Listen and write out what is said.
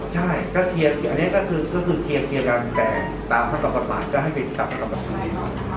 ใช่ก็เทียร์อันนี้ก็คือเทียร์การแต่ตามประกอบประมาณก็ให้เป็นตามประกอบประมาณ